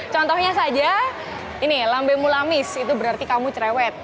contohnya saja ini lambe mulamis itu berarti kamu cerewet